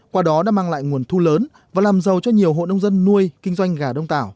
qua đó đã mang lại nguồn thu lớn và làm giàu cho nhiều hộ nông dân nuôi kinh doanh gà đông tảo